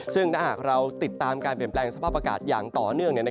ซึ่งถ้าหากเราติดตามการเปลี่ยนแปลงสภาพอากาศอย่างต่อเนื่อง